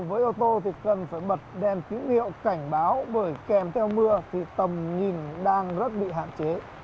với ô tô thì cần phải bật đèn chữ liệu cảnh báo bởi kèm theo mưa thì tầm nhìn đang rất bị hạng